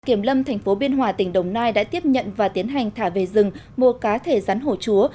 kiểm lâm thành phố biên hòa tỉnh đồng nai đã tiếp nhận và tiến hành thả về rừng mua cá thể rắn hổ chúa